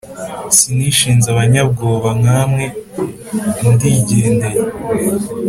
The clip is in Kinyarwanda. Sinishinze abanyabwoba nkamwe ndigendeye